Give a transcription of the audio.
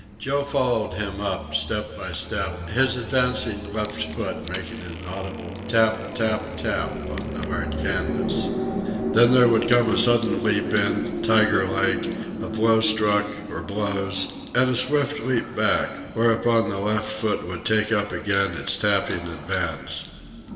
Joe followed him up, step by step, his advancing left foot making an audible tap, tap, tap, on the hard canvas. Then there would come a sudden leap in, tiger like, a blow struck, or blows, and a swift leap back, whereupon the left foot would take up again its tapping advance.